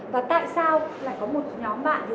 và tại sao lại có một nhóm bạn